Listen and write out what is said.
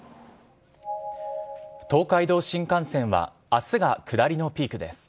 東海道新幹線はあすが下りのピークです。